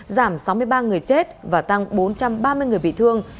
giảm sáu mươi ba người chết và tăng bốn trăm ba mươi người bị thương